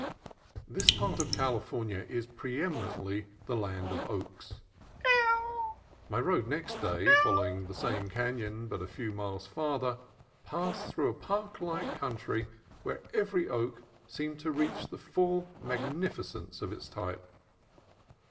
This part of California is preeminently the land of oaks. My road next day, following the same canon a few miles farther, passed through a park like coun try where every oak seemed to reach the full magni ficence of its type.